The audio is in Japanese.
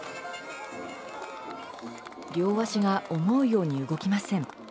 両足が思うように動きません。